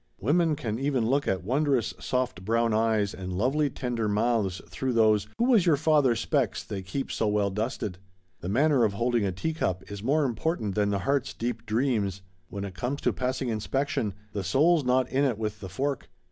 Women can even look at wondrous soft brown eyes and lovely tender mouths through those 'Who was your father?' 'specs' they keep so well dusted. The manner of holding a teacup is more important than the heart's deep dreams. When it comes to passing inspection, the soul's not in it with the fork.